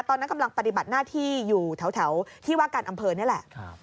ตอนนั้นกำลังปฏิบัติหน้าที่อยู่แถวที่ว่าการอำเภอนี่แหละ